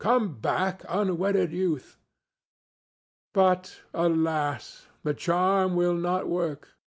—Come back, unwedded Youth!—But, alas! the charm will not work.